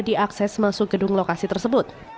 diakses masuk gedung lokasi tersebut